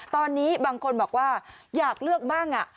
ตอนนี้บางคนบอกว่าอยากเลือกบ้าง